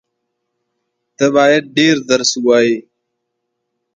ته بايد ډېر درس ووایې.